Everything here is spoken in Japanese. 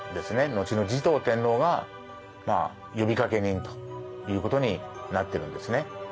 のちの持統天皇が呼びかけ人ということになってるんですね。